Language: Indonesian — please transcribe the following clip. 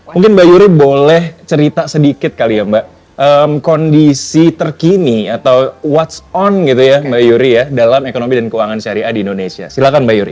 mungkin mbak yuri boleh cerita sedikit kali ya mbak kondisi terkini atau watch on gitu ya mbak yuri ya dalam ekonomi dan keuangan syariah di indonesia silahkan mbak yuri